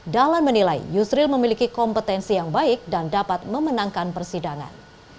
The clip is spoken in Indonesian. dahlan menilai yusril memiliki kompetensi yang baik dan dapat memenangkan persidangan